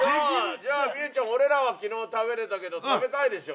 じゃあ望結ちゃんオレらは昨日食べれたけど食べたいでしょ？